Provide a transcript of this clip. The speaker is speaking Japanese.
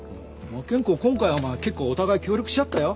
結構今回はお前結構お互い協力し合ったよ。